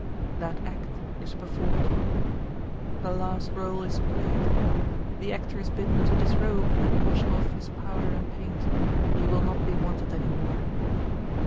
That act is performed. The last rôle is played. The actor is bidden to disrobe and wash off his powder and paint: he will not be wanted any more.